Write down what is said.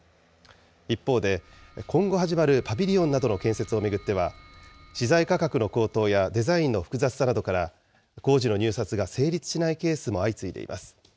一方で、今後始まるパビリオンなどの建設を巡っては、資材価格の高騰やデザインの複雑さなどから、工事の入札が成立しないケースも相次いでいます。